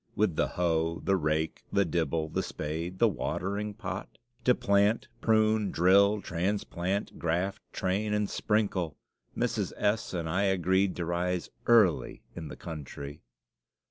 With the hoe, the rake, the dibble, the spade, the watering pot? To plant, prune, drill, transplant, graft, train, and sprinkle! Mrs. S. and I agreed to rise early in the country.